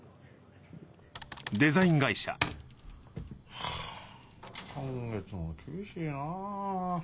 はぁ今月も厳しいなぁ。